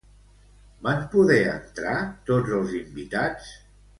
Van poder entrar tots els invitats?